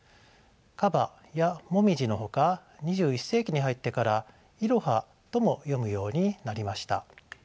「かば」や「もみじ」のほか２１世紀に入ってから「いろは」とも読むようになりました。